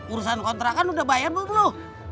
urusan kontra kan udah bayar belum lo